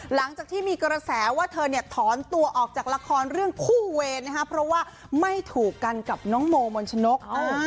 หลังจากที่มีกระแสว่าเธอเนี่ยถอนตัวออกจากละครเรื่องคู่เวรนะครับเพราะว่าไม่ถูกกันกับน้องโมมนชนก